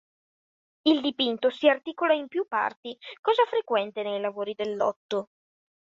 Il dipinto si articola in più parti, cosa frequente nei lavori del Lotto.